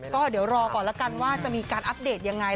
ก็เดี๋ยวรอก่อนแล้วกันว่าจะมีการอัปเดตยังไง